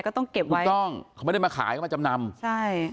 ก็ต้องเก็บไว้ถูกต้องเขาไม่ได้มาขายเขามาจำนำใช่